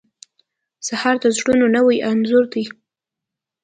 سهار د زړونو نوی انځور دی.